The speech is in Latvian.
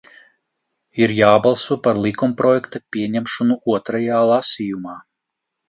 Ir jābalso par likumprojekta pieņemšanu otrajā lasījumā.